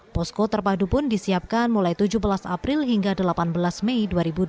posko terpadu pun disiapkan mulai tujuh belas april hingga delapan belas mei dua ribu dua puluh